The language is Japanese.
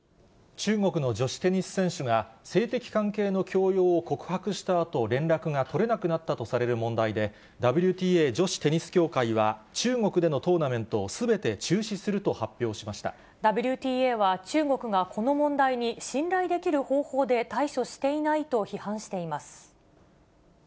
中国の女子テニス選手が性的関係の強要を告白したあと、連絡が取れなくなったとされる問題で、ＷＴＡ・女子テニス協会は、中国でのトーナメントをすべて中ＷＴＡは、中国がこの問題に信頼できる方法で対処していないと批判しています。